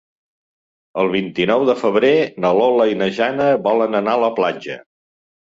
El vint-i-nou de febrer na Lola i na Jana volen anar a la platja.